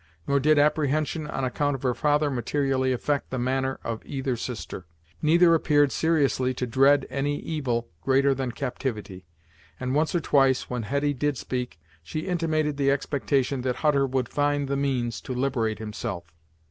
Nor did apprehension on account of her father materially affect the manner of either sister. Neither appeared seriously to dread any evil greater than captivity, and once or twice, when Hetty did speak, she intimated the expectation that Hutter would find the means to liberate himself.